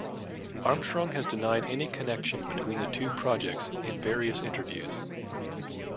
Armstrong has denied any connection between the two projects in various interviews.